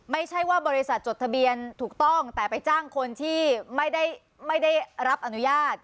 ไม่ใช่ว่าบริษัทจดทะเบียนถูกต้องแต่ไปจ้างคนที่ไม่ได้รับอนุญาต